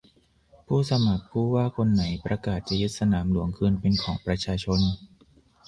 ผู้สมัครผู้ว่าคนไหนประกาศจะยึดสนามหลวงคืนเป็นของประชาชน